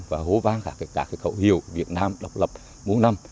và hố vang các khẩu hiệu việt nam độc lập bốn năm